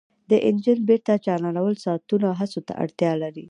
د انجن بیرته چالانول ساعتونو هڅو ته اړتیا لري